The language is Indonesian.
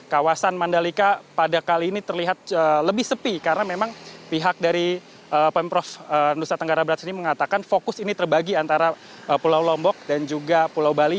kawasan mandalika pada kali ini terlihat lebih sepi karena memang pihak dari pemprov nusa tenggara barat sendiri mengatakan fokus ini terbagi antara pulau lombok dan juga pulau bali